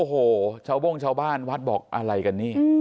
โอ้โหชาวโบ้งชาวบ้านวัดบอกอะไรกันนี่